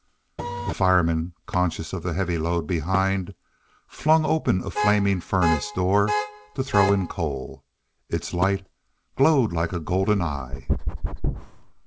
The fireman, conscious of the heavy load behind, flung open a flaming furnace door to throw in coal. Its light glowed like a golden eye.